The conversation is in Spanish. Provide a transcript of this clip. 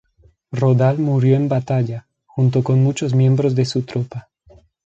Rodal murió en batalla, junto con muchos miembros de su tropa.